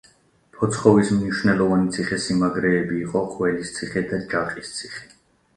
ფოცხოვის მნიშვნელოვანი ციხესიმაგრეები იყო ყველისციხე და ჯაყის ციხე.